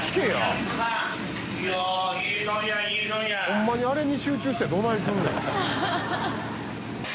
ほんまにあれに集中してどないすんねん。